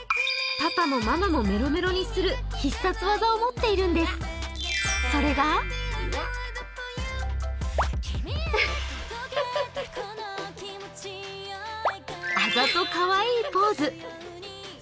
パパもママもメロメロにする必殺技を持っているんです、それがあざとかわいいポーズ。